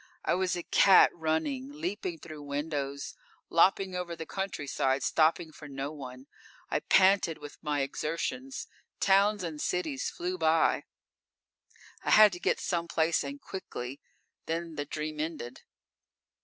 I was a cat running, leaping through windows, loping over the countryside, stopping for no one. I panted with my exertions. Towns and cities flew by; I had to get someplace and quickly. Then the dream ended.